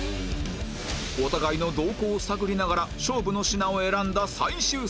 お互いの動向を探りながら勝負の品を選んだ最終戦